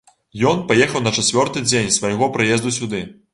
Ён паехаў на чацвёрты дзень свайго прыезду сюды.